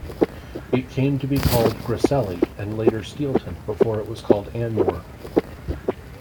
It came to be called Grasselli, and later Steelton, before it was called Anmoore.